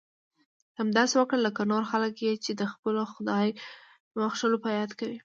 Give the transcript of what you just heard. همداسې وکړه لکه نور خلک یې چې د خپلو خدای بښلو په یاد کوي.